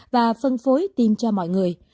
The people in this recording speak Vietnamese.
và phân phối tiêm cho mọi người